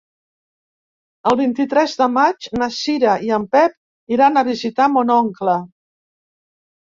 El vint-i-tres de maig na Cira i en Pep iran a visitar mon oncle.